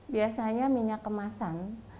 biasanya minyak kemasan